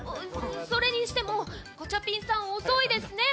それにしてもガチャピンさん遅いですね。